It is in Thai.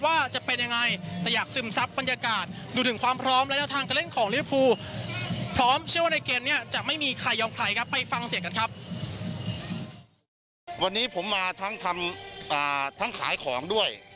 วันนี้ผมมาทั้งขายของด้วย